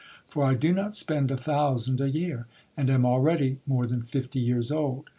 For I do not spend a thousand a year, and am already more than fifty years old.